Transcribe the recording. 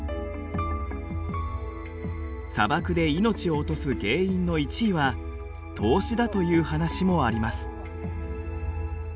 砂漠で命を落とす原因の１位は凍死だという話もあります。